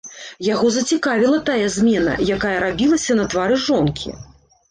Яго зацікавіла тая змена, якая рабілася на твары жонкі.